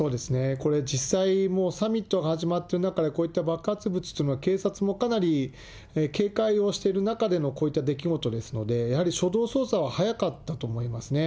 これ、実際、もうサミットが始まってる中でこういった爆発物というのは、警察もかなり警戒をしている中でのこういった出来事ですので、やはり初動捜査は早かったと思いますね。